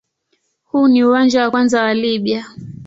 Huu ni uwanja wa kwanza wa Libya.